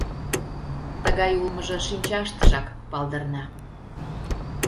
Тыгай улмыжо шинчаштыжак палдырна.